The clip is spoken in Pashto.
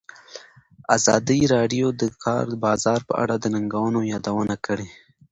ازادي راډیو د د کار بازار په اړه د ننګونو یادونه کړې.